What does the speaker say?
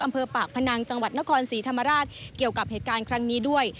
อำเภอปากพนังจังหวัดนครศรีธรรมราชเกี่ยวกับเหตุการณ์ครั้งนี้ด้วย